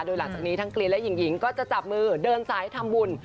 โดยหลังจากนี้ทั้งกรีนและหญิงก็จะจับมือเดินสายทำบุญ